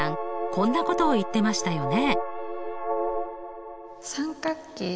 こんなことを言ってましたよね？